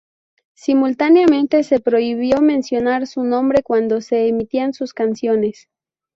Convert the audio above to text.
Simultáneamente se prohibió mencionar su nombre cuando se emitían sus canciones.